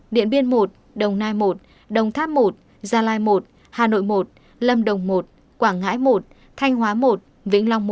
điện biên một đồng nai một đồng tháp một gia lai một hà nội một lâm đồng một quảng ngãi một thanh hóa một vĩnh long một